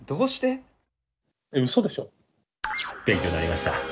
勉強になりました。